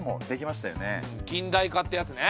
近代化ってやつね。